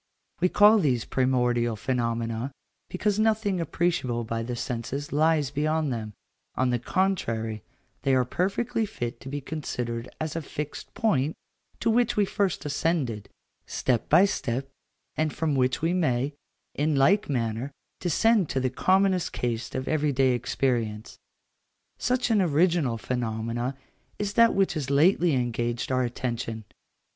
We call these primordial phenomena, because nothing appreciable by the senses lies beyond them, on the contrary, they are perfectly fit to be considered as a fixed point to which we first ascended, step by step, and from which we may, in like manner, descend to the commonest case of every day experience. Such an original phenomenon is that which has lately engaged our attention.